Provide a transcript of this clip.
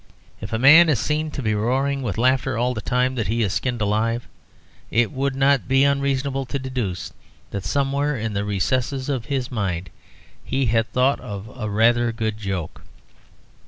If a man is seen to be roaring with laughter all the time that he is skinned alive, it would not be unreasonable to deduce that somewhere in the recesses of his mind he had thought of a rather good joke.